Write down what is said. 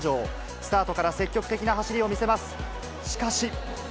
スタートから積極的な走りを見せます。